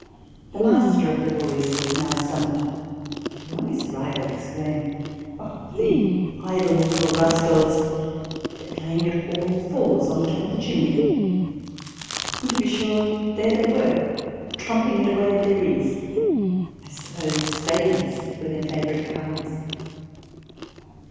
The master of the boys was now summoned, who, on his arrival, exclaimed, " Oh, the idle little rascals ! they are playing at all fours on the top of the chimney." And, to be sure, there they were, trumping it away at their ease. I suppose spades were their favourite cards.